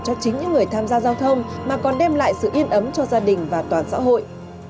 cho chính những người tham gia giao thông mà còn đem lại sự yên ấm cho gia đình và toàn xã hội